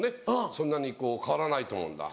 そんなに変わらないと思うんだ。